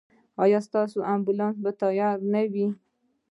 ایا ستاسو امبولانس به تیار نه وي؟